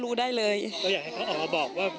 พร้อมด้วยผลตำรวจเอกนรัฐสวิตนันอธิบดีกรมราชทัน